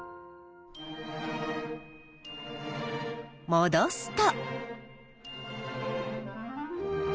もどすと。